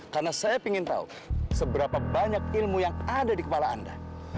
karena saya ingin tahu seberapa banyak ilmu yang ada di kepala anda